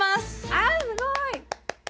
あすごい！